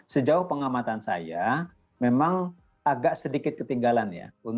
sejauh pengamatan saya memang agak sedikit ketinggalan ya